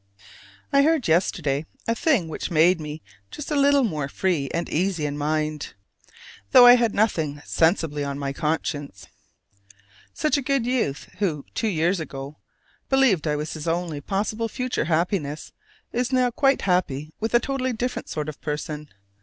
I heard yesterday a thing which made me just a little more free and easy in mind, though I had nothing sensibly on my conscience. Such a good youth who two years ago believed I was his only possible future happiness, is now quite happy with a totally different sort of person.